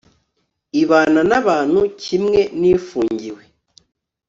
ibana n abantu kimwe n ifungiwe